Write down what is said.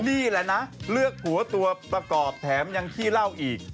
นี่แหละนะเลือกหัวตัวประกอบแถมยังขี้เล่าอีก